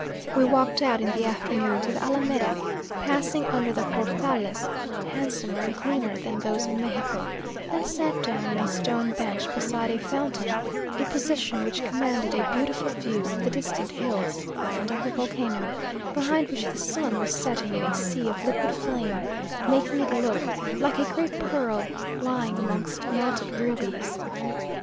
We walked out in the afternoon to the Alameda, passing under the portales; handsomer and cleaner than those of Mexico; and sat down on a stone bench beside a fountain, a position which commanded a beautiful view of the distant hills and of the volcano, behind which the sun was setting in a sea of liquid flame, making it look like a great pearl lying amongst melted rubies.